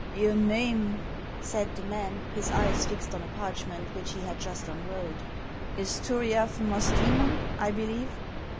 " Your name," said the man, his eyes fixed on a parch ment which he had just unrolled, " is Turiaf Musdoemon, I believe."